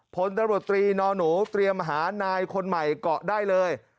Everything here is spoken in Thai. ผลตำรวจตรีนอนหนูเตรียมหานายคนใหม่เกาะได้เลย